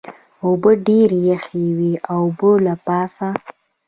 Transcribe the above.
اوبه ډېرې یخې وې، د اوبو له پاسه.